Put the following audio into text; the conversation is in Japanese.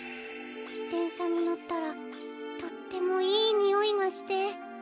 でんしゃにのったらとってもいいにおいがして。